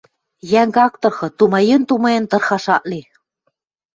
Йӓнг ак тырхы, тумаен-тумаен, тырхаш ак ли...